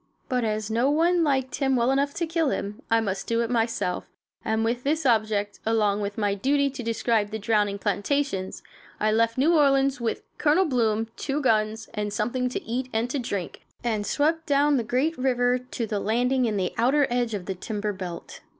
But, as no one liked him well enough to kill him, I must do it myself; and with this object, along with my duty to describe the drowning plantations, I left New Orleans with Colonel Bloom, two good guns, and something to eat and to drink, and swept down the great river to the landing in the outer edge of the timber belt.